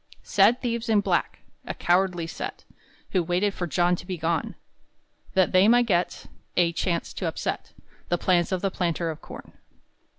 Sad thieves in black, A cowardly set, Who waited for John to be gone, That they might get A chance to upset The plans of the planter of corn.